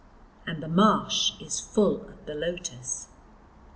And the marsh is full of the lotus.